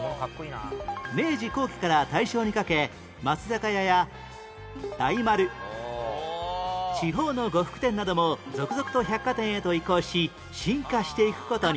明治後期から大正にかけ松坂屋や大丸地方の呉服店なども続々と百貨店へと移行し進化していく事に